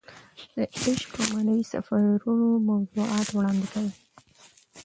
د عشق او معنوي سفرونو موضوعات وړاندې کوي.